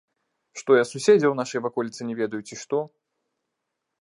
Што я суседзяў у нашай ваколіцы не ведаю, ці што?